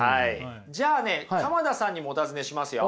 じゃあね鎌田さんにもお尋ねしますよ。